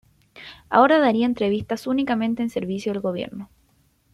Ahora daría entrevistas únicamente en servicio del gobierno.